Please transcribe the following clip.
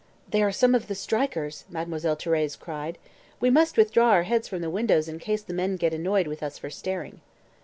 "They are some of the strikers," Mademoiselle Thérèse cried. "We must withdraw our heads from the windows in case the men get annoyed with us for staring."